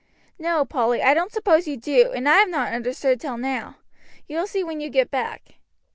"No, Polly, I don't suppose you do; and I have not understood till now. You will see when you get back."